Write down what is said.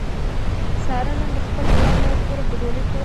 ساره نن د خپل پلار له کوره په ډولۍ کې ووته.